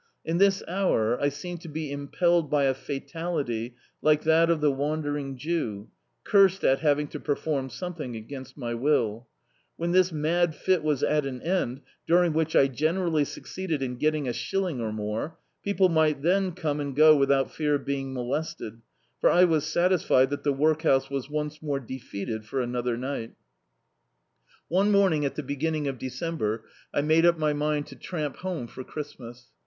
In this hour I seemed to be impelled by a fatality like that of the wandering Jew, cursed at having to perform something against my will. When this mad fit was at an end, during which I generally succeeded in get ting a shilling or more, people mi^t then cwne and go without fear of being molested, for I was satisfied that the workhouse was once more defeated for another night Dictzed by Google The Autobiography of a Super Tramp One morning at the beginning of December, I made up my mind to tramp home for Christmas.